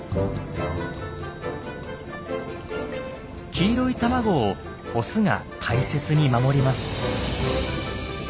黄色い卵をオスが大切に守ります。